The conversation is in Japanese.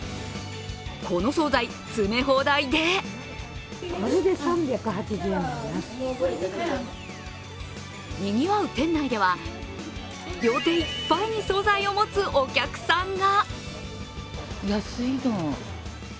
この総菜、詰め放題でにぎわう店内では、両手いっぱいに総菜を持つお客さんが。